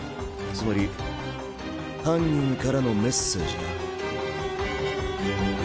つまり犯人からのメッセージだ。